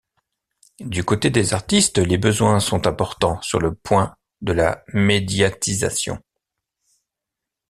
Du côté des artistes, les besoins sont importants sur le point de la médiatisation.